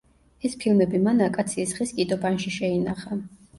ეს ფილები მან აკაციის ხის კიდობანში შეინახა.